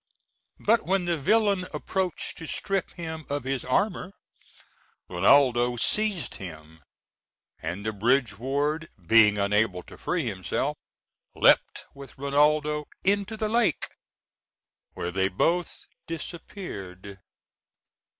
But when the villain approached to strip him of his armor, Rinaldo seized him, and the bridge ward, being unable to free himself, leapt with Rinaldo into the lake, where they both disappeared.